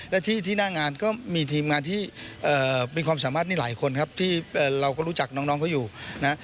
และที่หน้างานก็มีทีมงานที่มีความสามารถนี่หลายคนครับที่เราก็รู้จักน้องเขาอยู่นะ